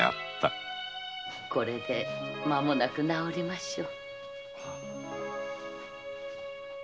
これでまもなく治りましょう。